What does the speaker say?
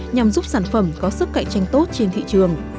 nhằm giúp sản phẩm có sức cạnh tranh tốt trên thị trường